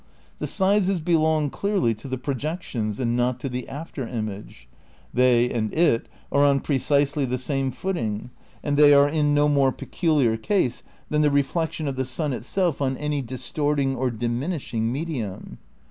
The sizes belong clearly to the projections, and not to the after image ; they and it are on precisely the same foot ing, and they are in no more peculiar case than the re flection of the sun itself on any distorting, or diminish ing medium.